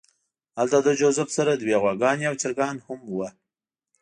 هلته له جوزف سره دوې غواګانې او چرګان هم وو